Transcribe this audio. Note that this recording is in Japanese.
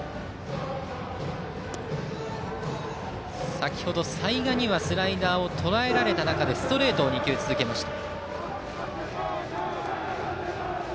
先程、齊賀にスライダーをとらえられた中でストレートを２球続けました。